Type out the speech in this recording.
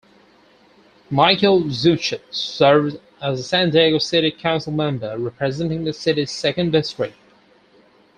Michael Zucchet served as a San Diego city councilmember representing the city's Second District.